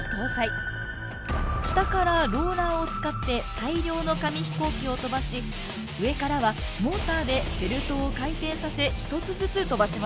下からローラーを使って大量の紙飛行機を飛ばし上からはモーターでベルトを回転させ１つずつ飛ばします。